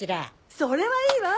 それはいいわ！